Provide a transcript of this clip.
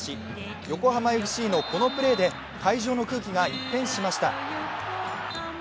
横浜ＦＣのこのプレーで会場の空気が一変しました。